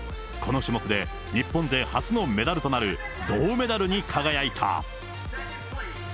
この種目で日本勢初のメダルとなる、銅メダルに輝いた。